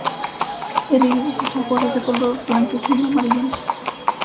El iris de sus ojos es de color blanquecino amarillento.